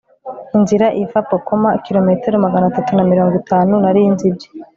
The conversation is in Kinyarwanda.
inzira iva pokoma, kilometero magana atatu na mirongo itanu. nari nzi ibye